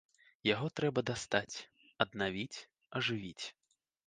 Яго трэба дастаць, аднавіць, ажывіць.